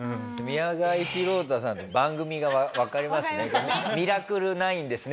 宮川一朗太さんで番組がわかりますね。